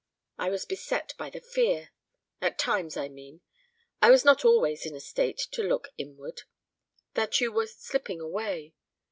I was beset by the fear at times, I mean: I was not always in a state to look inward that you were slipping away.